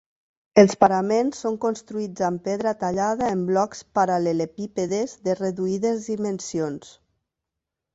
Els paraments són construïts amb pedra tallada en blocs paral·lelepípedes de reduïdes dimensions.